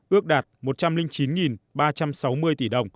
ước đạt một trăm linh chín ba trăm sáu mươi tỷ đồng